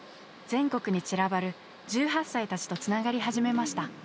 全国に散らばる１８歳たちとつながり始めました。